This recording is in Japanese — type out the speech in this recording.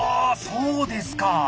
そうですか。